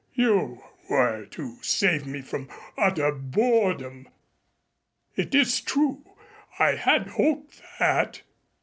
You were to save me from utter boredom. It is true. I had hoped that.